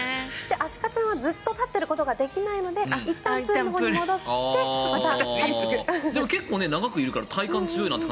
アシカちゃんはずっと立っていることができないのでいったんプールのほうに戻ってまた行くという。